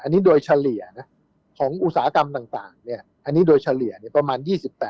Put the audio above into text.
อันนี้โดยเฉลี่ยนะของอุตสาหกรรมต่างอันนี้โดยเฉลี่ยประมาณ๒๘